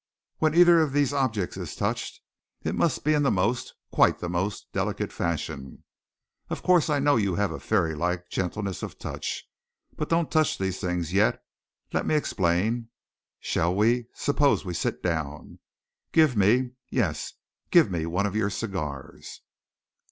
When either of these objects is touched it must be in the most, quite the most, delicate fashion. Of course, I know you have a fairy like gentleness of touch but don't touch these things yet. Let me explain. Shall we suppose we sit down. Give me yes give me one of your cigars."